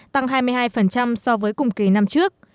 tăng hai mươi hai so với cùng kỳ năm trước